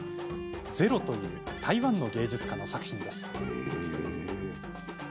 「ゼロ」という台湾の芸術家の作品です。